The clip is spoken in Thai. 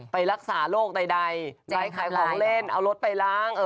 ไปรักษาโรคใดใช้ขายของเล่นเอารถไปล้าง